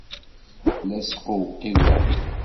La sqewqiweɣ.